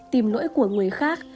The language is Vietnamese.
tìm lỗi của người khác